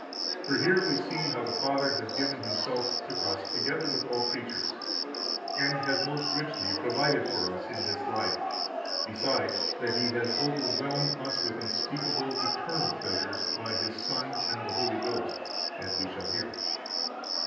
For here we see how the Father has given Himself to us, together with all creatures, and has most richly provided for us in this life, besides that He has overwhelmed us with unspeakable, eternal treasures by His Son and the Holy Ghost, as we shall hear.